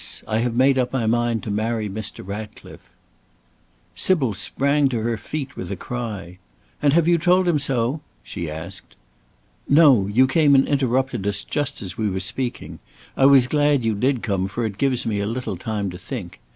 I have made up my mind to marry Mr. Ratcliffe!" Sybil sprang to her feet with a cry: "And have you told him so?" she asked. "No! you came and interrupted us just as we were speaking. I was glad you did come, for it gives me a little time to think.